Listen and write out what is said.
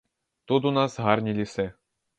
Тут у нас гарні ліси.